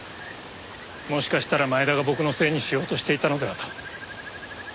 もしかしたら前田が僕のせいにしようとしていたのではと。